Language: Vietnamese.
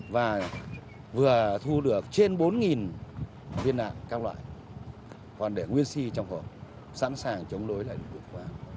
và vừa thu được trên bốn viên nạn các loại còn để nguyên si trong hộp sẵn sàng chống đối lại được